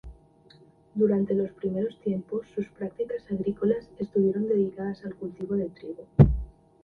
Durante los primeros tiempos sus prácticas agrícolas estuvieron dedicadas al cultivo de trigo.